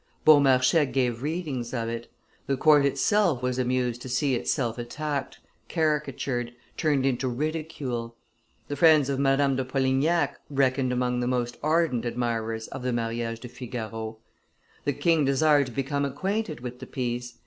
Beaumarchais gave readings of it; the court itself was amused to see itself attacked, caricatured, turned into ridicule; the friends of Madame de Polignac reckoned among the most ardent admirers of the Manage de Figaro. The king desired to become acquainted with the piece.